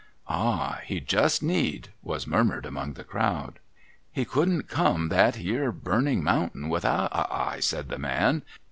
' Ah ! He just need,' was murmured among the crowd. ' He couldn't come that 'ere burning mountain without a eye,' said the man.